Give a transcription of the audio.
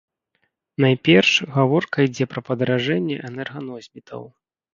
Найперш, гаворка ідзе пра падаражэнне энерганосьбітаў.